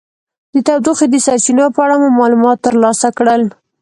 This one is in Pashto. د تودوخې د سرچینو په اړه مو معلومات ترلاسه کړل.